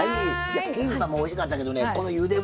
キンパもおいしかったけどね